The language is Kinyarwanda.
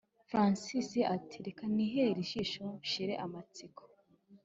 francis ati”reka nihere ijisho nshire amatsiko”